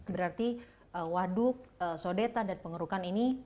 berarti waduk sodeta dan pengurukan ini